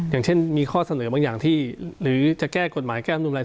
อย่างเช่นมีข้อเสนอบางอย่างที่หรือจะแก้กฎหมายแก้มนุนอะไร